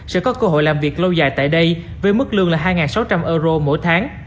sẽ có cơ hội làm việc lâu dài tại đây với mức lương là hai sáu trăm linh euro mỗi tháng